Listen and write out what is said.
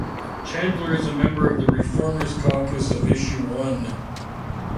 Chandler is a member of the ReFormers Caucus of Issue One.